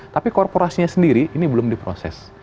tapi korporasinya sendiri ini belum diproses